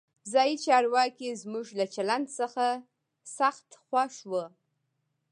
ځایي چارواکي زموږ له چلند څخه سخت خوښ وو.